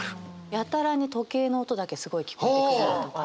やたらに時計の音だけすごい聞こえてくるとか。